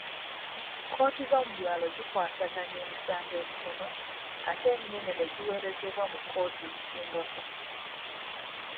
Kkooti z'omubyalo zikwasaganya emisango emitono ate eminene ne giweerezebwa mu kkooti ezisingako.